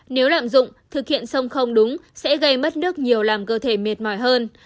nếu lạm dụng thực hiện sông không đúng sẽ gây mất nước nhiều làm cơ thể miệt mỏi hơn